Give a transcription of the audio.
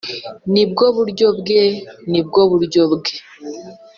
ni bwo buryo bwe ni bwo buryo bwe